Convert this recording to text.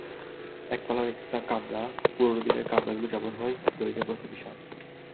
একতলার একটি কামরা, পুরোনো দিনের কামরাগুলি যেমন হয়-দৈর্ঘ্যে-প্রন্থে বিশাল।